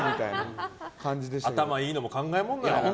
頭いいのも考え物だね。